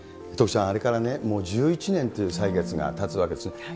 徳ちゃん、あれからね、もう１１年という歳月がたつわけですね。